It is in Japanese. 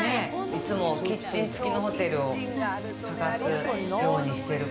いつもキッチンつきのホテルを探すようにしてる。